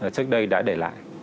trước đây đã để lại